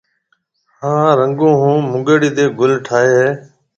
ھان رنگون ھون مونگيڙيَ تيَ گُل ٺائيَ ھيََََ